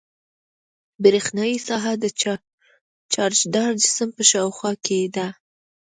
برېښنايي ساحه د چارجداره جسم په شاوخوا کې ده.